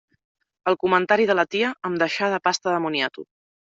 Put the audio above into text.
El comentari de la tia em deixà de pasta de moniato.